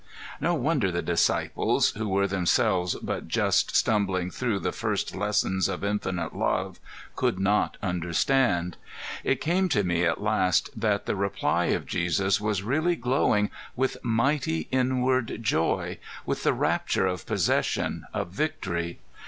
✠ No wonder the disciples, who were themselves but just stumbling through the first lessons of infinite Love, could not understand. ✠ It came to me at last, that the reply of Jesus was really glowing with mighty inward joy, with the rapture of possession, of victory.